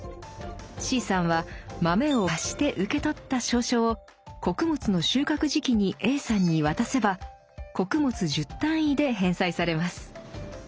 Ｃさんは豆を「貸して」受け取った「証書」を穀物の収穫時期にＡさんに渡せば「穀物１０単位」で返済されます。